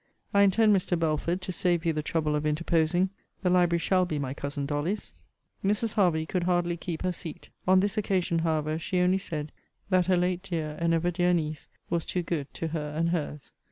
I intend, Mr. Belford, to save you the trouble of interposing the library shall be my cousin Dolly's. Mrs. Hervey could hardly keep her seat. On this occasion, however, she only said, That her late dear and ever dear niece, was too glad to her and hers.